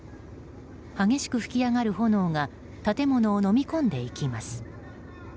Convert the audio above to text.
激しく吹き上がる炎が建物をのみ込んでいきます。